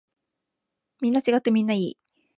みんな違ってみんないい。